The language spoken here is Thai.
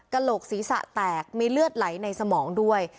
โหลกศีรษะแตกมีเลือดไหลในสมองด้วย